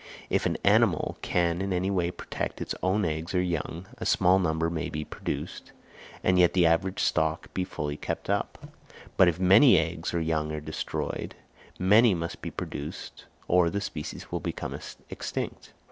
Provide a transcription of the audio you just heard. If an animal can in any way protect its own eggs or young, a small number may be produced, and yet the average stock be fully kept up; but if many eggs or young are destroyed, many must be produced or the species will become extinct.